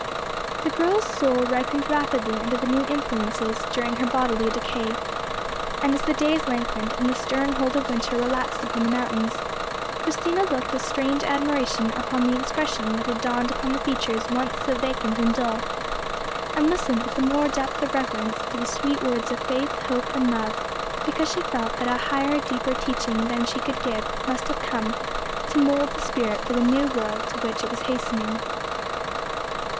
The girl's soul ripened rapidly under the new influences during her bodily decay; and, as the days lengthened, and the stern hold of winter relaxed upon the mountains, Christina looked with strange admiration upon the expression that had dawned upon the features once so vacant and dull, and listened with the more depth of reverence to the sweet words of faith, hope and love, because she felt that a higher, deeper teaching than she could give must have come to mould the spirit for the new world to which it was hastening.